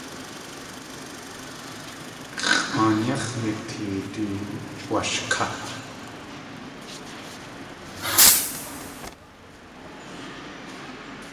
X̲ʼaan yáx̲ yatee du washká.